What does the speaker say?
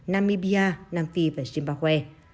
namibia nam phi và zimbabwe